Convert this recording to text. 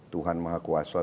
tuhan maha kuasa